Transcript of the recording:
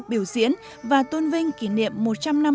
biểu diễn và tôn vinh kỷ niệm một trăm linh năm